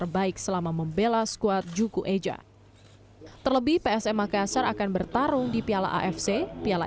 baik selama membela squad juku eja terlebih psm makassar akan bertarung di piala afc piala